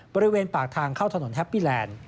บริเวณปากทางเข้าถนนแฮปปี้แลนด์